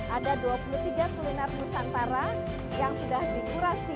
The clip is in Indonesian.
ada dua puluh tiga kuliner nusantara yang sudah dikurasi